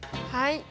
はい。